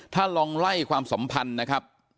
ถ้าลองไล่ความสัมพันธ์นะครับ